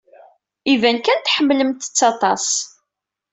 Iban kan tḥemmlemt-tt aṭas.